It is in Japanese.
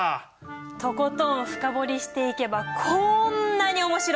とことん深掘りしていけばこんなに面白い！